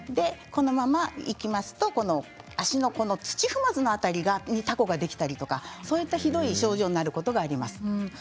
このままいきますと足の土踏まずの辺りにそこにたこができたりそういったひどい症状になることがあります。